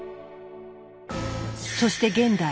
そして現代。